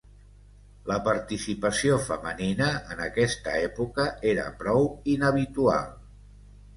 La participació femenina en aquesta època era prou inhabitual.